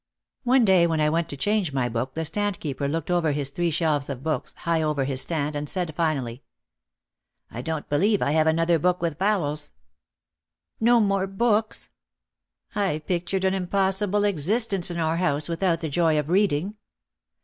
One day when I went to change my book the stand keeper looked over his three shelves of books, high over his stand, and said finally, "I don't believe I have an other book with vowels." "No more books!" I pictured an impossible existence in our house without the joy of reading.